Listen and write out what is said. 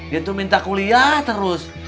dia tuh minta kuliah terus